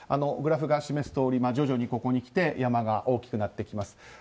グラフが示すとおり徐々にここにきて山が大きくなってきます。